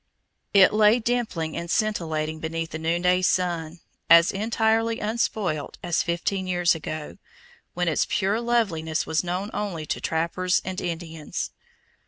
It lay dimpling and scintillating beneath the noonday sun, as entirely unspoilt as fifteen years ago, when its pure loveliness was known only to trappers and Indians.